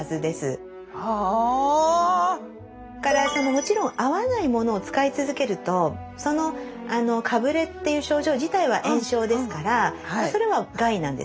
もちろん合わないものを使い続けるとそのかぶれっていう症状自体は炎症ですからそれは害なんですね。